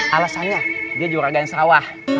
alasannya dia juara gansrawah